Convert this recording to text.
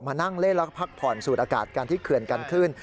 มานั่งเล่นแล้วก็พักผ่อนสูดอากาศกันที่เขื่อนกันขึ้น